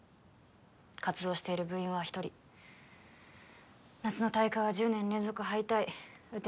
活動している部員は１人夏の大会は１０年連続敗退雨天